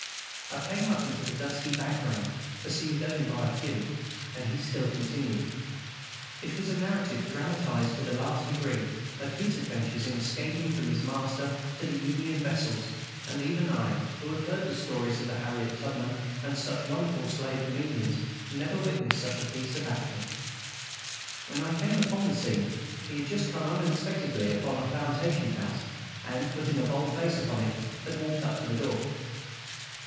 I came up into the dusky background, perceived only by a few, and he still continued. It was a narrative, dramatized to the last degree, of his adventures in escaping from his master to the Union vessels; and even I, who have heard the stories of Harriet Tubman, and such wonderful slave comedians, never witnessed such a piece of acting. When I came upon the scene he had just come unexpectedly upon a plantation house, and, putting a bold face upon it, had walked up to the door.